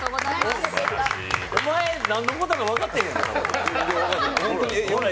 お前、何のことだか分かってへんやろう？